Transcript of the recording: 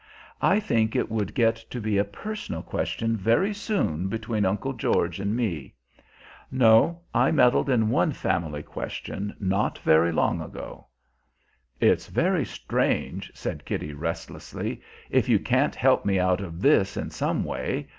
"I think it would get to be a personal question very soon between Uncle George and me. No; I meddled in one family question not very long ago." "It's very strange," said Kitty restlessly, "if you can't help me out of this in some way.